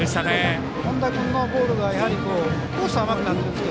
本田君のボールがコース甘くなってるんですけど